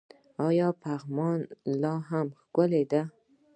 آیا پغمان لا هم ښکلی دی؟